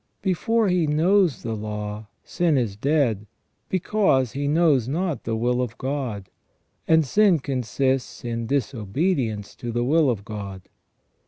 Before he knows the law, sin is dead, because he knows not the will of God, and sin consists in disobedience to the will of God.